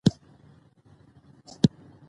د مشر وعده